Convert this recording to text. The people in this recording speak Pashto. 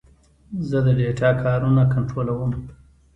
زه د ډیټا کارونه کنټرولوم.